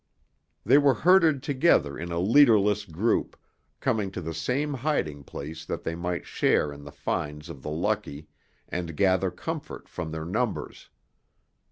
They were herded together in a leaderless group, coming to the same hiding place that they might share in the finds of the lucky and gather comfort from their numbers.